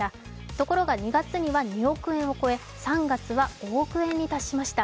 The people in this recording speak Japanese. ところが２月には２億円を超え、３月には５億獲んに達しました。